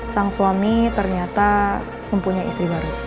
sang suami ternyata mempunyai istri baru